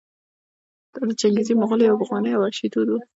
دا د چنګېزي مغولو یو پخوانی او وحشي دود و.